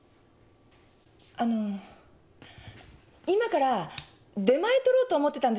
あの今から出前取ろうと思ってたんですよ。